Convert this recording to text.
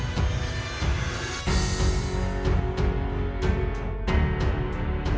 berarti bukan mengajukan pikir pikir seth